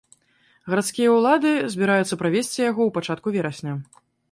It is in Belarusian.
Гарадскія ўлады збіраюцца правесці яго ў пачатку верасня.